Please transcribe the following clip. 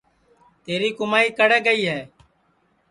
تیری کُمائی کڑے گئی ہے